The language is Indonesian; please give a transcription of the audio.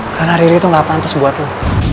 karena riri tuh gak pantas buat lo